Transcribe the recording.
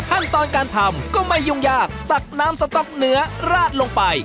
ขั้นตอนการทำก็ไม่ยุ่งยากตักน้ำสต๊อกเนื้อราดลงไป